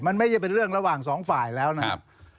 มันไม่เองเป็นเรื่องระหว่าง๒ฝ่ายแล้วแนะ